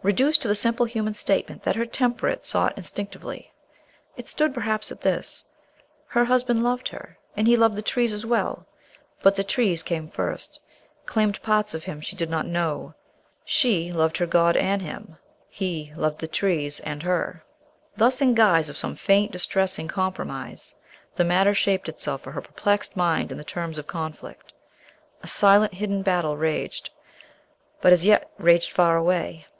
Reduced to the simple human statement that her temperament sought instinctively, it stood perhaps at this: Her husband loved her, and he loved the trees as well; but the trees came first, claimed parts of him she did not know. She loved her God and him. He loved the trees and her. Thus, in guise of some faint, distressing compromise, the matter shaped itself for her perplexed mind in the terms of conflict. A silent, hidden battle raged, but as yet raged far away.